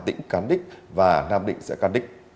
hà tĩnh cắn đích và nam định sẽ cắn đích